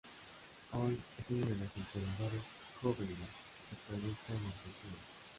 Hoy es uno de los entrenadores jóvenes que se proyecta en Argentina.